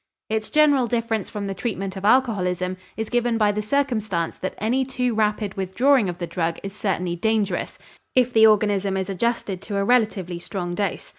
Its general difference from the treatment of alcoholism is given by the circumstance that any too rapid withdrawing of the drug is certainly dangerous, if the organism is adjusted to a relatively strong dose.